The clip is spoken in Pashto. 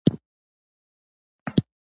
دوې ورځې وروسته یې سهار مهال خبر را کړ.